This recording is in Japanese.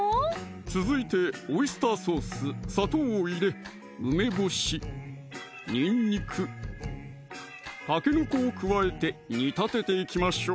続いてオイスターソース・砂糖を入れ梅干し・にんにく・たけのこを加えて煮立てていきましょう